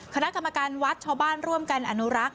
คณะกรรมการวัดชาวบ้านร่วมกันอนุรักษ์